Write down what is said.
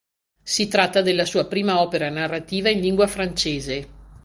Si tratta della sua prima opera narrativa in lingua francese.